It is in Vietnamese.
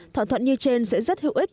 thỏa thuận như trên sẽ rất hữu ích